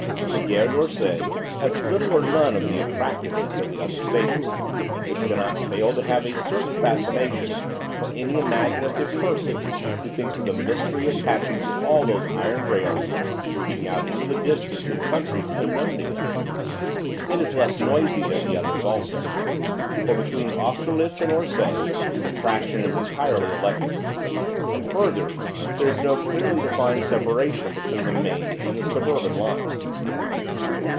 The Gare d'Orsay has little or none of the attractiveness of the other stations, which cannot fail to have a certain fascination for any imaginative person, who thinks of the mystery attaching to all those iron rails reaching out into the distance of countries unknown to him. It is less noisy than the others also, for between Austerlitz and Orsay the traction is entirely electric. And further, there is no clearly defined separation between the main and the suburban lines.